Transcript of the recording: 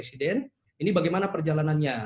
ini bagaimana perjalanannya